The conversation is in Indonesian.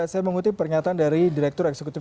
saya mengutip pernyataan dari direktur eksekutif